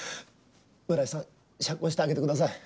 村井さん釈放してあげてください。